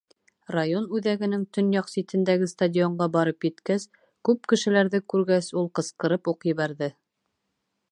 Район үҙәгенең төньяҡ ситендәге стадионға барып еткәс, күп кешеләрҙе күргәс, ул ҡысҡырып уҡ ебәрҙе: